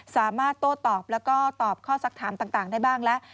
สามารถโต้ตอบแล้วก็ตอบข้อสักถามต่างได้บ้างแล้ว